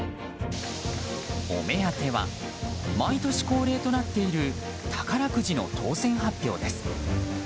お目当ては毎年恒例となっている宝くじの当選発表です。